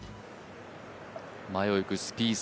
前を行くスピース。